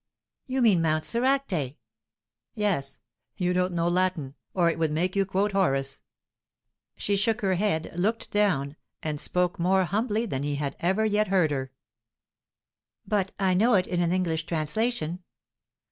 "You mean Mount Soracte?" "Yes. You don't know Latin, or it would make you quote Horace." She shook her head, looked down, and spoke more humbly than he had ever yet heard her. "But I know it in an English translation."